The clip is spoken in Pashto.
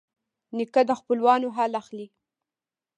نیکه د خپلوانو حال اخلي.